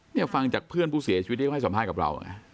เนี่ยฟังจากเพื่อนผู้เสียชีวิตที่เขาให้สัมภาษณ์กับเรา